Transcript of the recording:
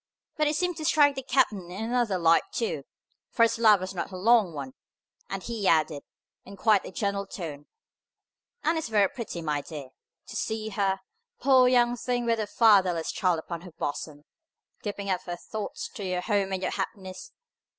But it seemed to strike the captain in another light too; for his laugh was not a long one, and he added, in quite a gentle tone, "And it's very pretty, my dear, to see her poor young thing, with her fatherless child upon her bosom giving up her thoughts to your home and your happiness.